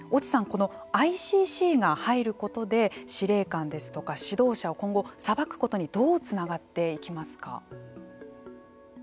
このＩＣＣが入ることで司令官ですとか指導者を今後裁くことにどうつながっていきますか。